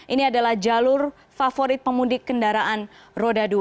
ini adalah jalur favorit pemudik kendaraan roda dua